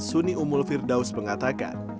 suni umul firdaus mengatakan